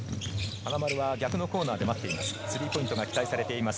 金丸は逆のコーナーで待っています。